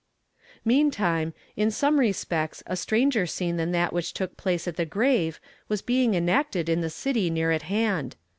Meantime, in some respects a stranger scene than that which took place at the grave was being enacted in the city near at hand.